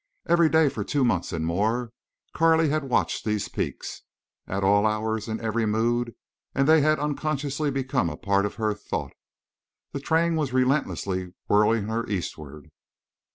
Every day for two months and more Carley had watched these peaks, at all hours, in every mood; and they had unconsciously become a part of her thought. The train was relentlessly whirling her eastward.